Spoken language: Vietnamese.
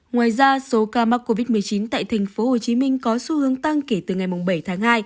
ngoài ra số ca mắc covid một mươi chín tại tp hcm có xu hướng tăng kể từ ngày bảy tháng hai